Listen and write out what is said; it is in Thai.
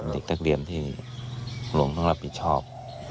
เด็กตะเกลี่ยมที่หลวงต้องรับผิดชอบ